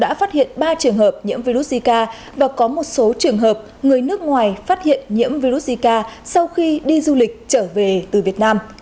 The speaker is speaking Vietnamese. đã phát hiện ba trường hợp nhiễm virus zika và có một số trường hợp người nước ngoài phát hiện nhiễm virus zika sau khi đi du lịch trở về từ việt nam